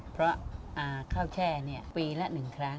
เพราะข้าวแช่ปีละ๑ครั้ง